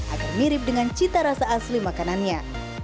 agar mirip dengan cita rasa asli makanannya